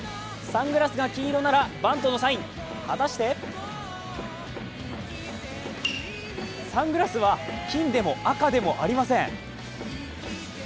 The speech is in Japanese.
サングラスが金色ならバントのサイン、果たしてサングラスは金でも赤でもありません。